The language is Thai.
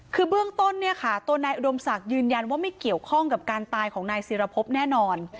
คือเบื้องต้นเนี่ยค่ะตัวนายอุดมศักดิ์ยืนยันว่าไม่เกี่ยวข้องกับการตายของนายศิรพบแน่นอน